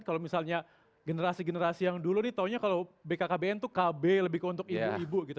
kalau misalnya generasi generasi yang dulu nih taunya kalau bkkbn itu kb lebih untuk ibu ibu gitu